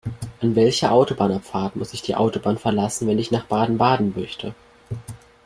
An welcher Autobahnabfahrt muss ich die Autobahn verlassen, wenn ich nach Baden-Baden möchte?